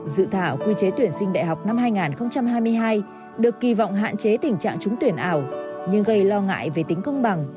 dự thảo quy chế tuyển sinh đại học năm hai nghìn hai mươi hai được kỳ vọng hạn chế tình trạng trúng tuyển ảo nhưng gây lo ngại về tính công bằng